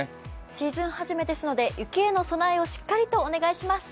シーズンはじめですので雪への備えをしっかりとお願いします。